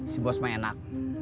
si bos mah enak